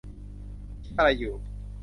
คิดอะไรอยู่